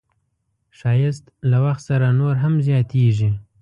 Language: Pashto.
ښایست له وخت سره نور هم زیاتېږي